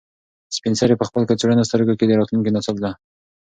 سپین سرې په خپل کڅوړنو سترګو کې د راتلونکي نڅا لیده.